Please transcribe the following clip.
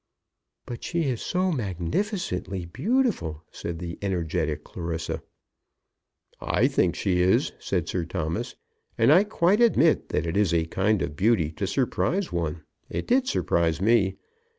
"But she is so magnificently beautiful!" said the energetic Clarissa. "I think she is," said Sir Thomas. "And I quite admit that it is a kind of beauty to surprise one. It did surprise me.